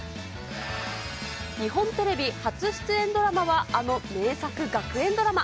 日本テレビ初出演ドラマは、あの名作学園ドラマ。